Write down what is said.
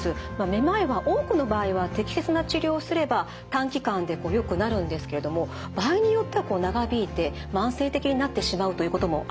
めまいは多くの場合は適切な治療をすれば短期間でよくなるんですけれども場合によっては長引いて慢性的になってしまうということもあるんです。